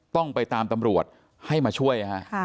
ต้องไปตามตำรวจให้มาช่วยฮะ